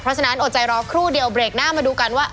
เพราะฉะนั้นอดใจรอครู่เดียวเบรกหน้ามาดูกันว่า